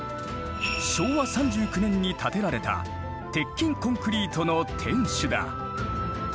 昭和３９年に建てられた鉄筋コンクリートの天守だ。